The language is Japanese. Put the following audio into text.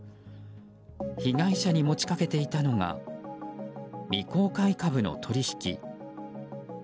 被害者に持ちかけていたのが未公開株の取り引き。